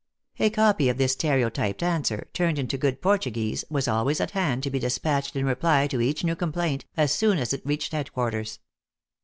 A copy of this stereotyped answer, turned into good Portuguese, was always at hand to be dispatched in reply to each new complaint, as soon as it reached headquarters.